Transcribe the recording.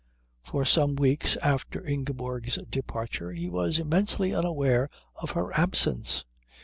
For some weeks after Ingeborg's departure he was immensely unaware of her absence.